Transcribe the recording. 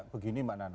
begini mbak nana